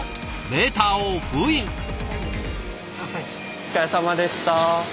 お疲れさまでした。